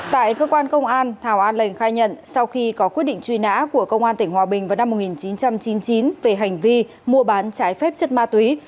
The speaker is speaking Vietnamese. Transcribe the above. tại cơ quan công an thảo a lệnh khai nhận sau khi có quyết định truy nã của công an tỉnh hòa bình vào năm một nghìn chín trăm chín mươi chín về hành vi mua bán trái phép chất ma túy